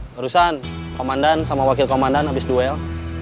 barusan komandan sama wakil komandan habis duel